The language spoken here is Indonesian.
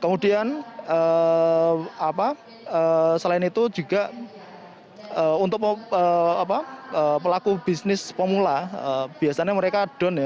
kemudian selain itu juga untuk pelaku bisnis pemula biasanya mereka down ya